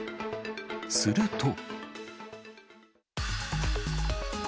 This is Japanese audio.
すると。